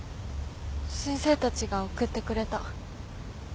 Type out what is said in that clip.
先生たちが送ってくれた。